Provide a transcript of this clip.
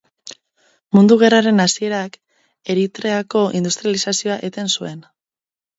Mundu Gerraren hasierak Eritreako industrializazioa eten zuen.